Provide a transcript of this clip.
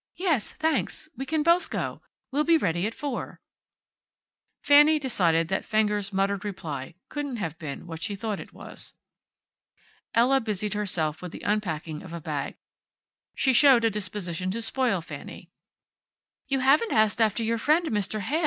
"Yes, thanks. We can both go. We'll be ready at four." Fanny decided that Fenger's muttered reply couldn't have been what she thought it was. Ella busied herself with the unpacking of a bag. She showed a disposition to spoil Fanny. "You haven't asked after your friend, Mr. Heyl.